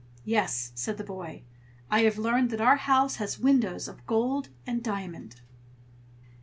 "Yes!" said the boy. "I have learned that our house has windows of gold and diamond."